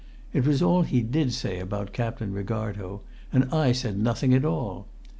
It was all he did say about Captain Ricardo, and I said nothing at all.